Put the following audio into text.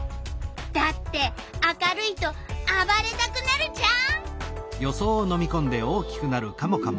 だって明るいとあばれたくなるじゃん。